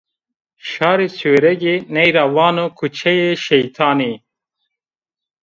Şarê Sêwregî ney ra vano Kuçeye Şeytanî.